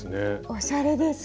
おしゃれですね。